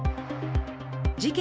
事件